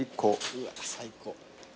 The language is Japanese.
うわ最高。